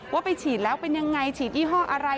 ว่าไปฉีดแล้วเป็นยังไงฉีดยี่ห้ออะไร